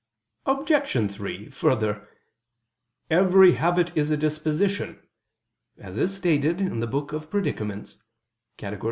Obj. 3: Further, "every habit is a disposition," as is stated in the Book of the Predicaments (Categor.